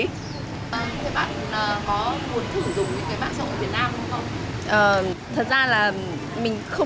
thế bạn có muốn thử dùng những mạng xã hội việt nam không